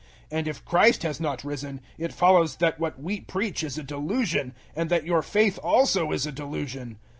015:014 And if Christ has not risen, it follows that what we preach is a delusion, and that your faith also is a delusion.